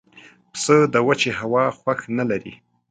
پسه د وچې هوا خوښ نه لري.